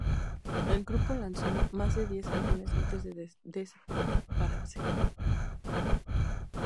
El grupo lanzó más de diez álbumes antes de separarse.